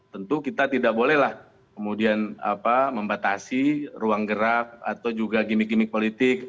tentu kita tidak bolehlah kemudian membatasi ruang gerak atau juga gimmick gimmick politik